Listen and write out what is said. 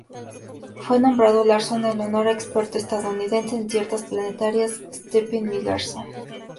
Fue nombrado Larson en honor al experto estadounidense en ciencias planetarias Stephen M. Larson.